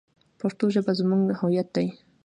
پښتو ژبه زموږ هویت دی.